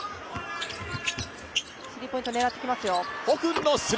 スリーポイント狙ってきますよ。